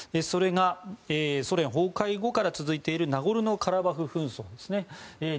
それがソ連崩壊後から続いているナゴルノカラバフ紛争ですね。